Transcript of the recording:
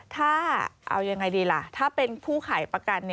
ถ้าเอายังไงดีล่ะถ้าเป็นผู้ขายประกัน